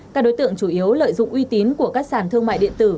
các đối tượng chủ yếu lợi dụng uy tín của các sản thương mại điện tử